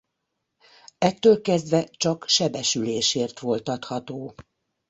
Ettől kezdve csak sebesülésért volt adható.